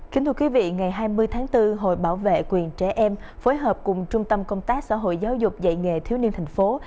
kính thưa quý vị ngày hai mươi tháng bốn hội bảo vệ quyền trẻ em phối hợp cùng trung tâm công tác xã hội giáo dục dạy nghề thiếu niên thành phố